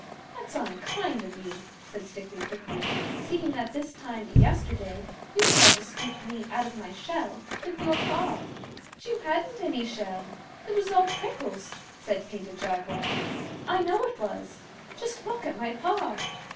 'That's unkind of you,' said Stickly Prickly, 'seeing that this time yesterday you tried to scoop me out of my shell with your paw.' 'But you hadn't any shell. It was all prickles,' said Painted Jaguar. 'I know it was. Just look at my paw!